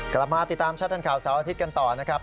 กลับมาติดตามชัดทันข่าวเสาร์อาทิตย์กันต่อนะครับ